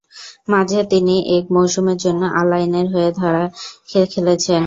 মাঝে তিনি এক মৌসুমের জন্য আল আইনের হয়ে ধারে খেলেছেন।